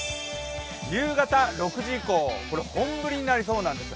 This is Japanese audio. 夕方６時以降、本降りになりそうなんです。